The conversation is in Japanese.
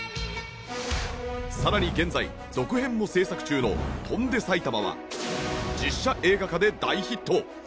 さらに現在続編も制作中の『翔んで埼玉』は実写映画化で大ヒット！